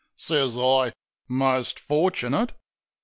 Says I, "Most fortunate